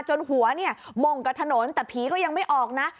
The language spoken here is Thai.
จนหัวมงกับถนนแต่ผีก็ยังไม่ออกนะ